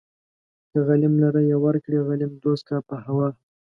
که غليم لره يې ورکړې غليم دوست کا په هوا